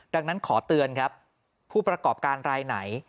ดังนั้นขอเตือนครับผู้ประกอบการรายไหน